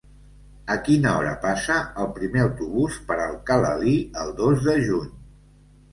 A quina hora passa el primer autobús per Alcalalí el dos de juny?